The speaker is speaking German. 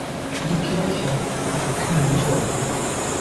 Die Kirche hatte keinen Turm.